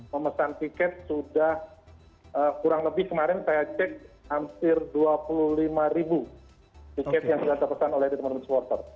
memesan tiket sudah kurang lebih kemarin saya cek hampir dua puluh lima ribu tiket yang sudah terpesan oleh teman teman supporter